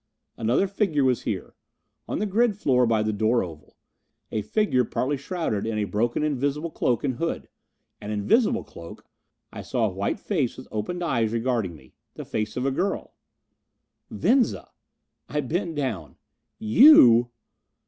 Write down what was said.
Another figure was here! On the grid floor by the door oval. A figure partly shrouded in a broken invisible cloak and hood. An invisible cloak! I saw a white face with opened eyes regarding me. The face of a girl. Venza! I bent down. "You!"